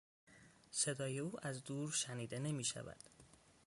صدای او از دور شنیده نمیشود.